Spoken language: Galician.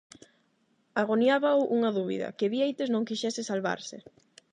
Agoniábao unha dúbida: que Bieites non quixese salvarse.